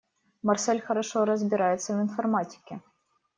Марсель хорошо разбирается в информатике.